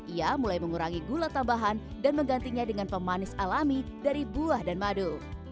ia mulai mengurangi gula tambahan dan menggantinya dengan pemanis alami dari buah dan madu